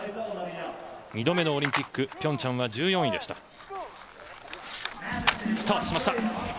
２度目のオリンピック平昌は１４位でした。